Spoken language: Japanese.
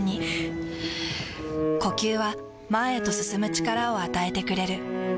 ふぅ呼吸は前へと進む力を与えてくれる。